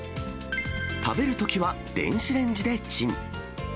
食べるときは電子レンジでチン。